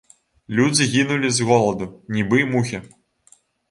Людзі гінулі з голаду, нібы мухі.